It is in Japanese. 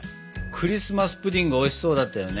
クリスマス・プディングおいしそうだったよね。